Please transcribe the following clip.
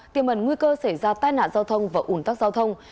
tiềm ẩn nguy cơ xảy ra tai nạn giao thông và ủn tắc giao thông